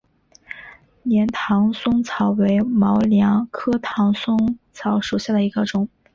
粘唐松草为毛茛科唐松草属下的一个种。